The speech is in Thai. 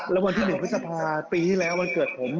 แล้ววันที่๑พฤษภาปีที่แล้ววันเกิดผม